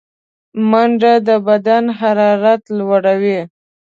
منډه د بدن حرارت لوړوي